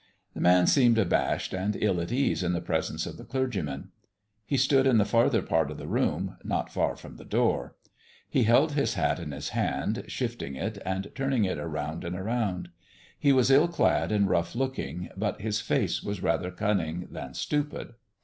The man seemed abashed and ill at ease in the presence of the clergymen. He stood in the farther part of the room, not far from the door. He held his hat in his hand, shifting it and turning it around and around. He was ill clad and rough looking, but his face was rather cunning than stupid.